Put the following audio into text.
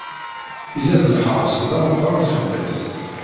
Yella-d lḥeṛs d ameqran fell-as.